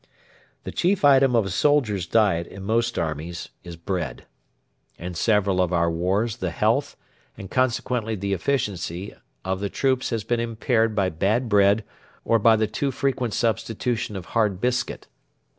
The chief item of a soldier's diet in most armies is bread. In several of our wars the health, and consequently the efficiency, of the troops has been impaired by bad bread or by the too frequent substitution of hard biscuit.